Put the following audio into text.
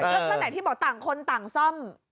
แล้วขณะที่บอกต่างคนต่างซ่อม